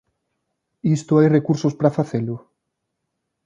¿Isto hai recursos para facelo?